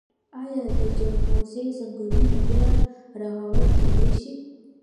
آیا د جلغوزیو ځنګلونه بیا رغول کیدی شي؟